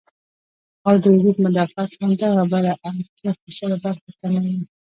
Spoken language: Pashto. او د وجود مدافعت هم دغه بره اتيا فيصده برخه کموي